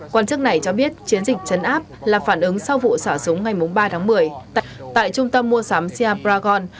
quản chức này cho biết chiến dịch trấn áp là phản ứng sau vụ xả súng ngày ba tháng một mươi tại trung tâm mua sắm siar bragon